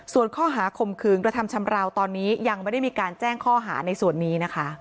ส่วนข้อหาข่มขืนกระทำชำราวตอนนี้ยังไม่ได้มีการแจ้งข้อหาในส่วนนี้นะคะ